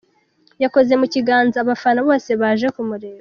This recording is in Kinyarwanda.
Yakoze mu kiganza abafana bose baje kumureba.